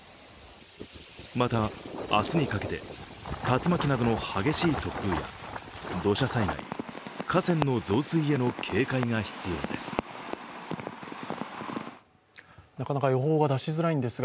また、明日にかけて竜巻などの激しい突風や土砂災害、河川の増水への警戒が必要です。